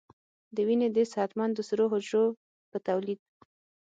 د وینې د صحتمندو سرو حجرو په تولید